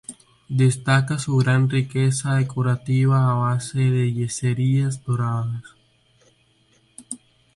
Destaca su gran riqueza decorativa a base de yeserías doradas.